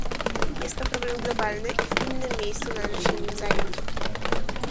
Jest to problem globalny i w innym miejscu należy się nim zająć